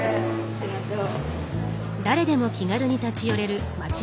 ありがとう。